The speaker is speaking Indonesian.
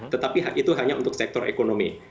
tetapi itu hanya untuk sektor ekonomi